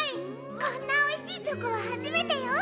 こんなおいしいチョコははじめてよ！